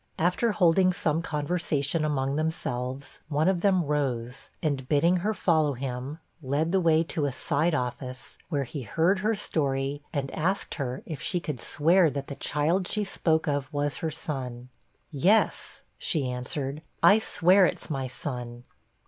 After holding some conversation among themselves, one of them rose, and bidding her follow him, led the way to a side office, where he heard her story, and asked her 'if she could swear that the child she spoke of was her son?' 'Yes,' she answered, 'I swear it's my son.'